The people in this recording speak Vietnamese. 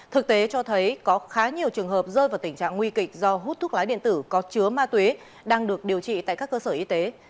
thực tế cho thấy có khá nhiều trường hợp rơi vào tình trạng nguy kịch do hút thuốc lá điện tử có chứa ma túy đang được điều trị tại các cơ sở y tế